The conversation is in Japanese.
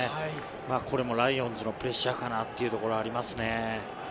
これもライオンズのプレッシャーかなというところはありますね。